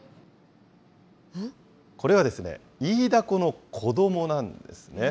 これはですね、イイダコの子どもなんですね。